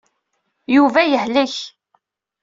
Yuba yehlek.